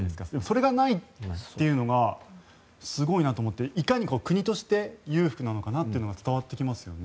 それがないというのがすごいなと思っていかに国として裕福なのかが伝わってきますよね。